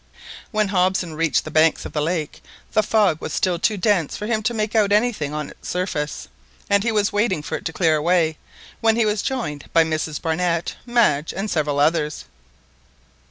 When Hobson reached the banks of the lake, the fog was still too dense for him to make out anything on its surface, and he was waiting for it to clear away, when he was joined by Mrs Barnett, Madge, and several others.